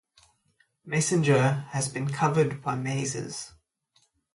"Messenger" has been covered by Mazes.